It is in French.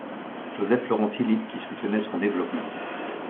Joseph Laurent Philippe qui soutenait son développement.